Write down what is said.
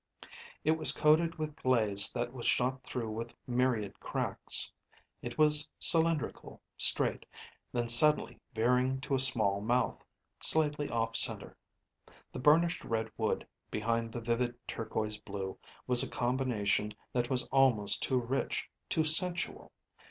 It was coated with glaze that was shot through with myriad cracks. It was cylindrical, straight, then suddenly veering to a small mouth, slightly off center. The burnished red wood behind the vivid, turquoise blue was a combination that was almost too rich, too sensual.